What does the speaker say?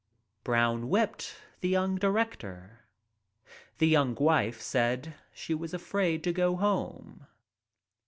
Brown whipped the young director. The young wife said she was afraid to go home.